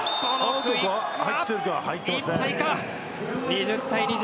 ２０対２０。